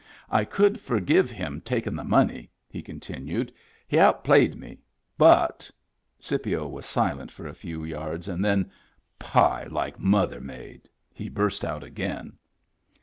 "I could for give him takin' the money," he continued. " He outplayed me. But —" Scipio was silent for a few yards, and then, " Pie like mother made !" he burst out again.